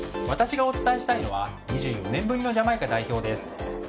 私がお伝えしたいのは２４年ぶりのジャマイカ代表です。